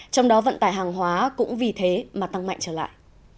trong đó vận tải hàng hóa cũng vì thế mà tăng mạnh trở lại